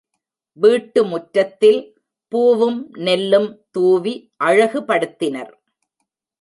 வீட்டு முற்றத்தில் பூவும் நெல்லும் தூவி அழகுபடுத்தினர்.